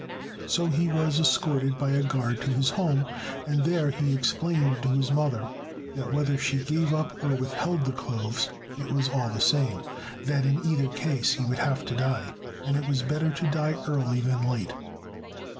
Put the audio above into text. So he was escorted by a guard to his home, and there he explained to his mother that whether she gave up or withheld the clothes, it was all the same; that in either case he would have to die, and it was better to die early than late.